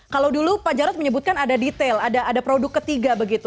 kalau dulu pak jarod menyebutkan ada detail ada produk ketiga begitu